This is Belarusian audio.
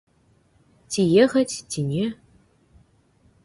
Ці ехаць, ці не?